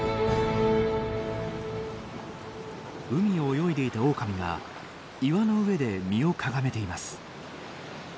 海を泳いでいたオオカミが岩の上で身をかがめています。